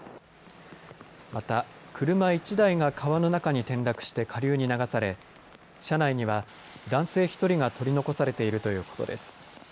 また、車１台が川の中に転落して下流に流され、車内には、男性１人が取り残されているということです。